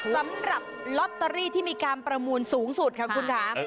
สำหรับลอตเตอรี่ที่มีการประมูลสูงสุดค่ะคุณค่ะ